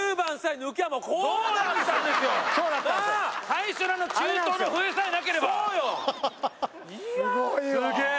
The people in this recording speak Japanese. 最初の中東の笛さえなければすげえ